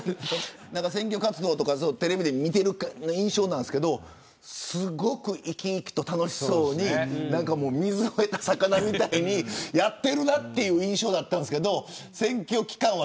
選挙活動とかテレビで見てる印象なんですがすごく、生き生きと楽しそうに水を得た魚みたいにやっているなという印象だったんですが選